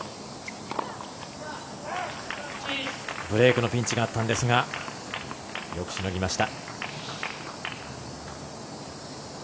ブレークのピンチがあったんですがよくしのぎました。